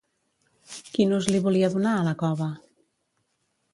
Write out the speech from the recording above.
Quin ús li volia donar a la cova?